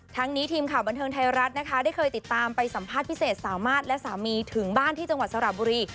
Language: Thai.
นี้ทีมข่าวบันเทิงไทยรัฐนะคะได้เคยติดตามไปสัมภาษณ์พิเศษสามารถและสามีถึงบ้านที่จังหวัดสระบุรี